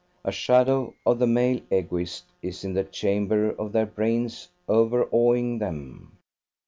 A shadow of the male Egoist is in the chamber of their brains overawing them.